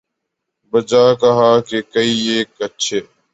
'بجا کہا کہ کئی ایک اچھے